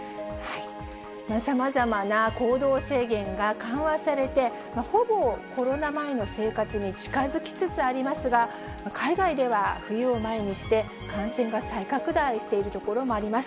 さまざまな行動制限が緩和されて、ほぼコロナ前の生活に近づきつつありますが、海外では冬を前にして、感染が再拡大しているところもあります。